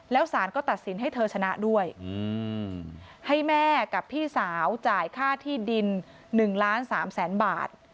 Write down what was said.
แล้วสารก็ตัดสินให้เธอชนะด้วยให้แม่กับพี่สาวจ่ายค่าที่ดิน๑ล้าน๓แสนบาท